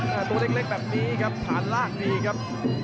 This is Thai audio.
ตัวเล็กแบบนี้ครับฐานล่างดีครับ